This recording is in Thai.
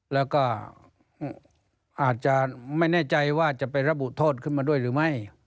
แล้วก็อาจจะไม่แน่ใจว่าจะไประบุโทษขึ้นมาด้วยหรือไม่